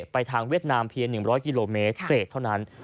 ไปทางเวียดนามเพียง๑๐๐กิโลเมตรเศษเท่านั้น